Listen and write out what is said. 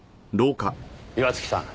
岩月さん